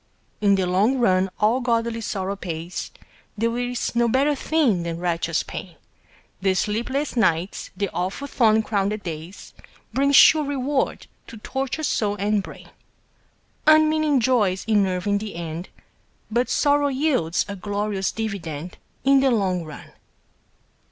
In the long run all godly sorrow pays, There is no better thing than righteous pain, The sleepless nights, the awful thorn crowned days, Bring sure reward to tortured soul and brain. Unmeaning joys enervate in the end, But sorrow yields a glorious dividend In the long run.